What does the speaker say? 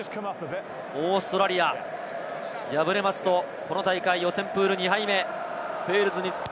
オーストラリア、敗れると、この大会、予選プール２敗目。